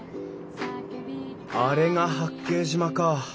あれが八景島か。